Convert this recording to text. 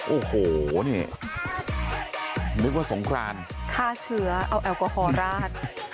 โอ้โหนี่นึกว่าสงครานฆ่าเชื้อเอาแอลกอฮอลราด